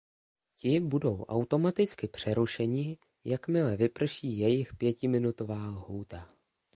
Ti budou automaticky přerušeni, jakmile vyprší jejich pětiminutová lhůta.